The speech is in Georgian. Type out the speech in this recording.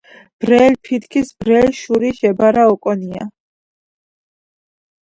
ბრელ ფითქის ბრელ შურიში ებარა ოკონია.